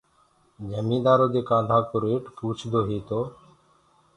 جميدآرو دي ڪآنڌآ ڪو ريٽ پوڇدو هي تو